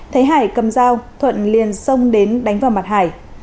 thấy hải cầm dao thuận liền xông đến đánh vào mặt hải